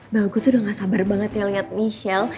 bang gue tuh udah gak sabar banget ya liat michelle